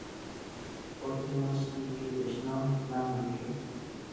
Otimomachtikej itech non tlamantli.